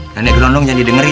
nenek gelondong jangan didengerin